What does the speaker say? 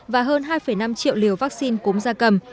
và hơn hai năm triệu liều vaccine cốm ra cầm